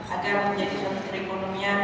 agar menjadi suatu perekonomian